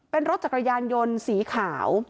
เป็นรถจักรยานยนต์สีขาว